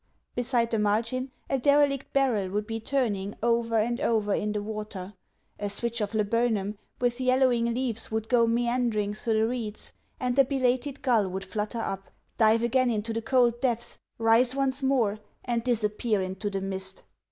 Beside the margin a derelict barrel would be turning over and over in the water; a switch of laburnum, with yellowing leaves, would go meandering through the reeds; and a belated gull would flutter up, dive again into the cold depths, rise once more, and disappear into the mist.